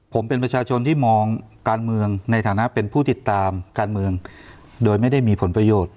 ผมเป็นประชาชนที่มองการเมืองในฐานะเป็นผู้ติดตามการเมืองโดยไม่ได้มีผลประโยชน์